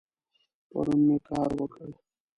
پرون می کار وکړ